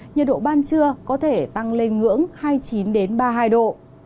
nhiệt độ ban trưa có thể tăng lên ngưỡng hai mươi chín ba mươi hai độ